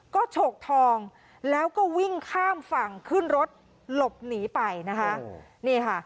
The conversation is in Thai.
ก็ฉกทองแล้วก็วิ่งข้ามฝั่งขึ้นรถหลบหนีไปนะคะนี่ค่ะ